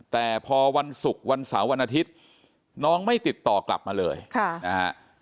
แต่พอวันศุกร์วันเสาร์วันอาทิตย์น้องไม่ติดต่อกลับมาเลยค่ะนะฮะ